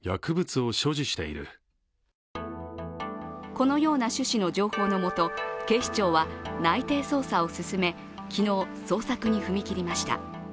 このような趣旨の情報のもと、警視庁は内偵捜査を進め、昨日、捜索に踏み切りました。